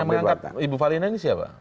yang mengangkat ibu fahli nasinka siapa